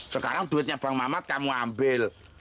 sekarang duitnya bang mamat kamu ambil